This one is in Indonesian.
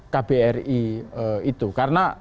kbri itu karena